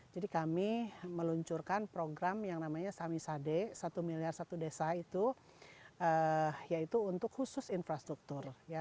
jadi kami meluncurkan program yang namanya samisade satu miliar satu desa itu yaitu untuk khusus infrastruktur